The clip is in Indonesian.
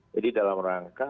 jadi dalam rangka